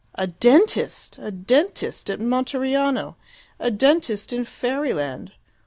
A dentist! A dentist at Monteriano. A dentist in fairyland!